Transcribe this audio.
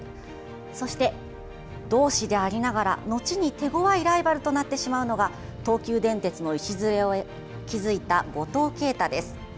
そして同志でありながら後に手ごわいライバルとなってしまうのが東急電鉄の礎を築いた五島慶太です。